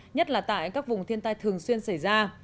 nhất là tại các vùng thiên tai thường xuyên xảy ra